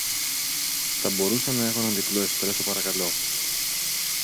θα μπορούσα να έχω έναν διπλό εσπρέσο, παρακαλώ